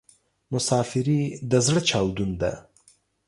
مسافري د ﺯړه چاودون ده